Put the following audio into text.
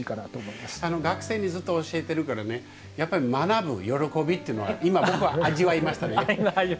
学生にずっと教えてるからねやっぱり学ぶ喜びっていうのは今僕は味わいましたね。